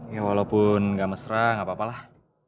ya walaupun ga mesra gak papalah